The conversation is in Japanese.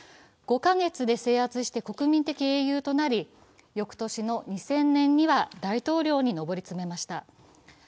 ５カ月で制圧して国民的英雄となり翌年の２０００年には大統領に上り詰めました。